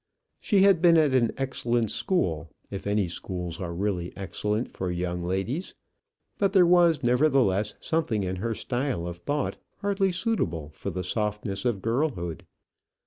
She had been at an excellent school, if any schools are really excellent for young ladies; but there was, nevertheless, something in her style of thought hardly suitable to the softness of girlhood.